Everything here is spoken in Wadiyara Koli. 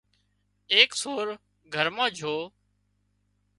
ايڪ سور گھر مان جھو